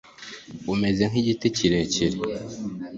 umeze nk'igiti kirekire